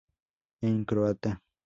En Croata.